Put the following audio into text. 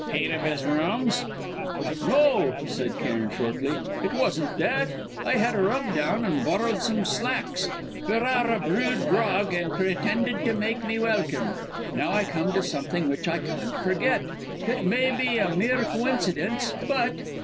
"Heat of his rooms?" "No," said Cairn shortly. "It wasn't that. I had a rub down and borrowed some slacks. Ferrara brewed grog and pretended to make me welcome. Now I come to something which I can't forget; it may be a mere coincidence, but